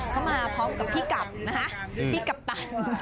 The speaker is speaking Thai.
เขามาพร้อมกับพี่กลับนะฮะพี่กัปตัน